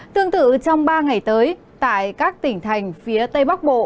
tương tự trong ba ngày tới tại các tỉnh thành phía tây bắc bộ